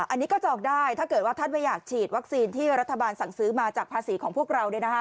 อันนี้ก็จองได้ถ้าเกิดว่าท่านไม่อยากฉีดวัคซีนที่รัฐบาลสั่งซื้อมาจากภาษีของพวกเรา